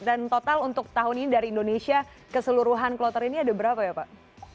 dan total untuk tahun ini dari indonesia keseluruhan kloter ini ada berapa ya pak